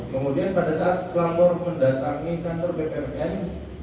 kemudian pada saat pelapor mendatangi kantor bpn